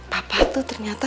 papa tuh ternyata